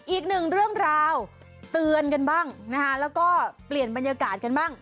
อีกหนึ่งเรื่องราวเตือนกันบ้างนะคะแล้วก็เปลี่ยนบรรยากาศกันบ้าง